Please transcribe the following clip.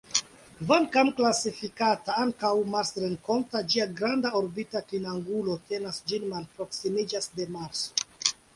Kvankam klasifikata ankaŭ marsrenkonta, ĝia granda orbita klinangulo tenas ĝin malproksimiĝas de Marso.